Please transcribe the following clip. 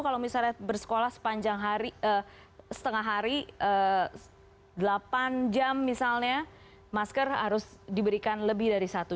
kalau misalnya bersekolah setengah hari delapan jam misalnya masker harus diberikan lebih dari satu jam